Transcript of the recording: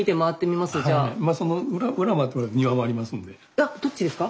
あどっちですか？